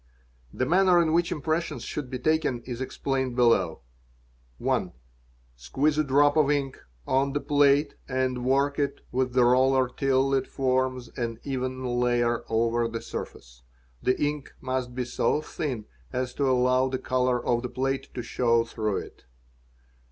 | "The manner in which impressions should be taken is explained below :— (i) Squeeze a drop of ink on the plate and work it with the roller till it forms an even layer over the surface. The ink must be so thin as ~ to allow the color of the plate to show through it.